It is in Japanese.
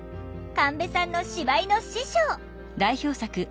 神戸さんの芝居の師匠！